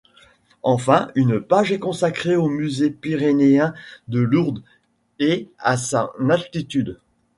Enfin, une page est consacrée au Musée pyrénéen de Lourdes et à son actualité.